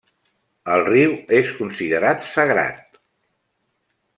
El riu és considerat sagrat.